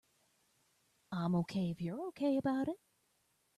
I'm OK if you're OK about it.